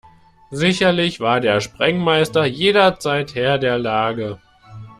Sicherlich war der Sprengmeister jederzeit Herr der Lage.